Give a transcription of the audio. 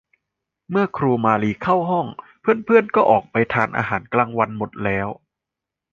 เมื่อครูมาลีเข้าห้องเพื่อน ๆ ก็ออกไปทานอาหารกลางวันหมดแล้ว